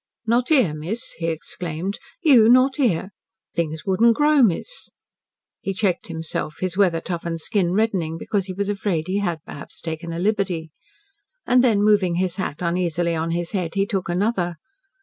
"Not here, miss," he exclaimed. "You not here! Things wouldn't grow, miss." He checked himself, his weather toughened skin reddening because he was afraid he had perhaps taken a liberty. And then moving his hat uneasily on his head, he took another.